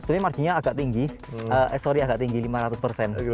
jadi marginnya agak tinggi eh sorry agak tinggi lima ratus persen